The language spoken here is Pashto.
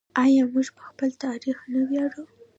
آیا موږ په خپل تاریخ نه ویاړو؟